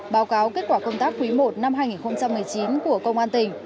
báo cáo kết quả công tác quý i năm hai nghìn một mươi chín của công an tỉnh